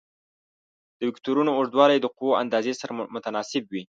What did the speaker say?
د وکتورونو اوږدوالی د قوو اندازې سره متناسب وي.